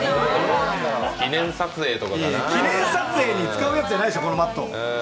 記念撮影に使うやつじゃないでしょ、このマット。